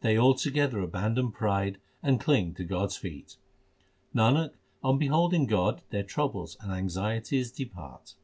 They altogether abandon pride and cling to God s feet. Nanak, on beholding God their troubles and anxieties depart.